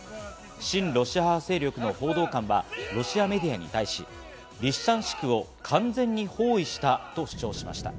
親ロシア派勢力の報道官はロシアメディアに対し、リシチャンシクを完全に包囲したと主張しました。